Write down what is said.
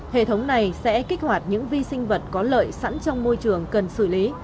hệ thống này sẽ kích hoạt những vi sinh vật có lợi sẵn trong môi trường cần xử lý